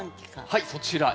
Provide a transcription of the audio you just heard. はいそちら。